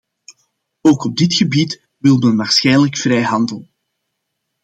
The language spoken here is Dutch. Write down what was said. Ook op dit gebied wil men waarschijnlijk vrijhandel.